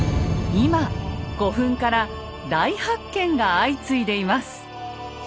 今古墳から大発見が相次いでいます。